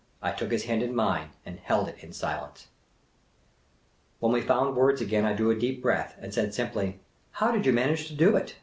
I took his hand in mine and held it in silence. When we found words again I drew a deep breath, and said, simply, "How did you manage to doit?"